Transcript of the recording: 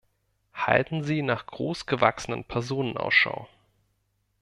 Halten Sie nach großgewachsenen Personen Ausschau.